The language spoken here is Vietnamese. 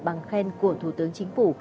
bằng khen của thủ tướng chính phủ